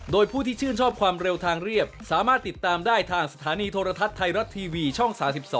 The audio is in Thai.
โดยผู้ที่ชื่นชอบความเร็วทางเรียบสามารถติดตามได้ทางสถานีโทรทัศน์ไทยรัฐทีวีช่อง๓๒